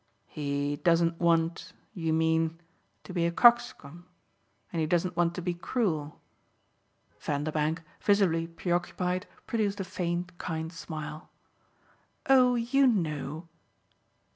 "He doesn't want, you mean, to be a coxcomb? and he doesn't want to be cruel?" Vanderbank, visibly preoccupied, produced a faint kind smile. "Oh you KNOW!"